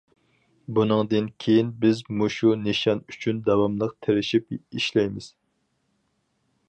بۇنىڭدىن كېيىن بىز مۇشۇ نىشان ئۈچۈن داۋاملىق تىرىشىپ ئىشلەيمىز.